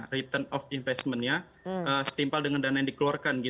return of investment nya setimpal dengan dana yang dikeluarkan